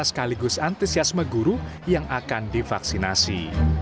sekaligus antusiasme guru yang akan divaksinasi